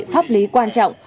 pháp lý quan trọng